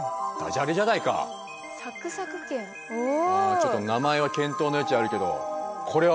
ちょっと名前は検討の余地あるけどこれは欲しい！